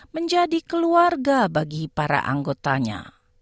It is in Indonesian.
menjadi keluarga bagi para anggotanya